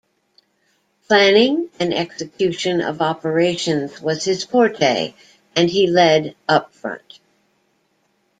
Planning and execution of operations was his forte and he led upfront.